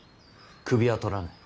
首は取らぬ。